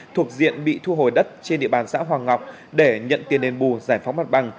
thuộc diện bị thu hồi đất trên địa bàn xã hoàng ngọc để nhận tiền đền bù giải phóng mặt bằng